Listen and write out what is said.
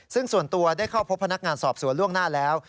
ซึ่งส่วนตัวได้เข้าพบพนักงานสอบสวนล่วงหน้าแล้ว